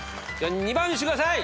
２番見してください！